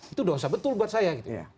itu dosa betul buat saya gitu